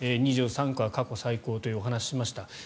２３区は過去最高というお話をしました。